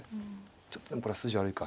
ちょっとでもこれは筋悪いか。